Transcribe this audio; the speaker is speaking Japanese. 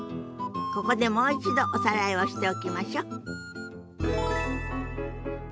ここでもう一度おさらいをしておきましょ。